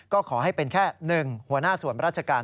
ก็ขอให้เป็นแค่๑หัวหน้าส่วนราชการ